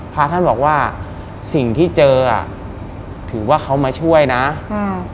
พระท่านบอกว่าสิ่งที่เจออ่ะถือว่าเขามาช่วยนะอืม